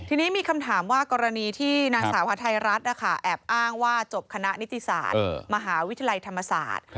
ทีนี้มีคำถามว่ากรณีที่นางสาวฮาไทยรัฐแอบอ้างว่าจบคณะนิติศาสตร์มหาวิทยาลัยธรรมศาสตร์